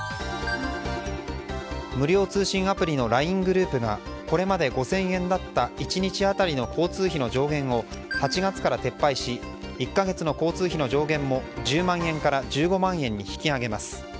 無料通信アプリのＬＩＮＥグループがこれまで５０００円だった１日当たりの交通費の上限を８月から撤廃し１か月の交通費の上限も１０万円から１５万円に引き上げます。